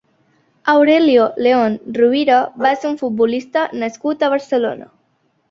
Aurelio León Rovira va ser un futbolista nascut a Barcelona.